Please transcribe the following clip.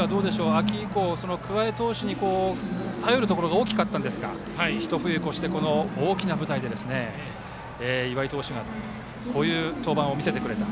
秋以降、桑江投手に頼るところが大きかったんですがひと冬越して、この大きな舞台で岩井投手がこういう登板を見せてくれた。